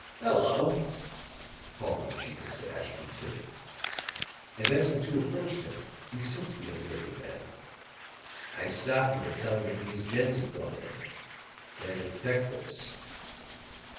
"Hello!" called the machinist to Ashton Kirk; and as the two approached him, he said to the unwieldy man: "I stopped you to tell you these gents had gone in. They're detectives."